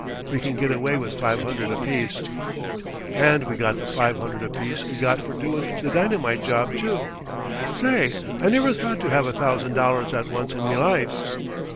We can get away with five hundred apiece." "And we got the five hundred apiece we got for doin' the dynamite job, too. Say, I never thought to have a thousand dollars at once in me life.